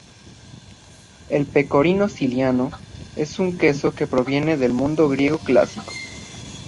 El pecorino siciliano es un queso que proviene del mundo griego clásico.